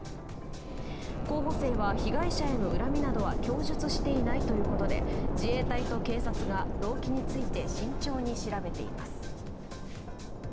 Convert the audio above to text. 候補生は被害者への恨みなどは供述していないということで自衛隊と警察が、動機について慎重に調べています。